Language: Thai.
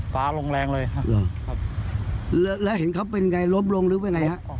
ฝ้าลงแรงเลยครับแล้วเห็นเขาเป็นยังไงล้มลงหรือเป็นยังไงครับ